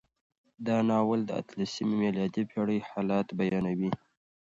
دا ناول د اتلسمې میلادي پېړۍ حالات بیانوي.